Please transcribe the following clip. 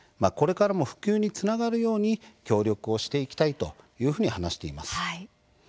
これからも普及につながるように協力していきたいと話しています。